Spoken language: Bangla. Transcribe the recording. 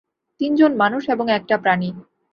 তিনজন মানুষ এবং একটা প্রাণী।